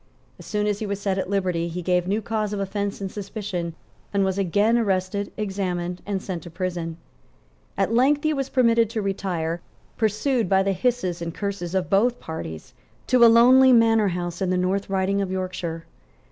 As soon as he was set at liberty he gave new cause of offence and suspicion, and was again arrested, examined and sent to prison. At length he was permitted to retire, pursued by the hisses and curses of both parties, to a lonely manor house in the North Riding of Yorkshire.